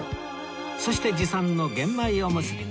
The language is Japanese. そして持参の玄米おむすび